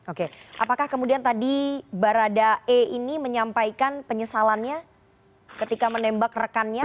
oke apakah kemudian tadi barada e ini menyampaikan penyesalannya ketika menembak rekannya